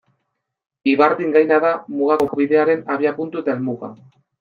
Ibardin gaina da Mugako Bidearen abiapuntu eta helmuga.